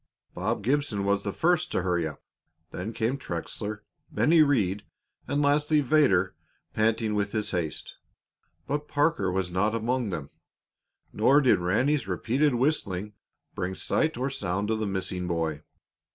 Bob Gibson was the first to hurry up. Then came Trexler, Bennie Rhead, and lastly Vedder, panting with his haste. But Parker was not among them, nor did Ranny's repeated whistling bring sight or sound of the missing boy.